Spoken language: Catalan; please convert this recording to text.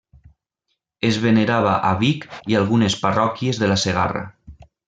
Es venerava a Vic i algunes parròquies de la Segarra.